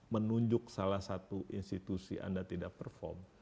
menunjuk salah satu institusi anda tidak perform